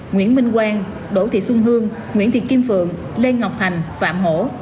nguyễn minh quang đỗ thị xuân hương nguyễn thị kim phượng lê ngọc thành phạm hổ